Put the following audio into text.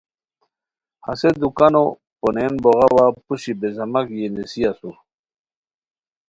ہسے دوکانو پونین بوغاؤا پوشی بیزیماک یی نیسی اسور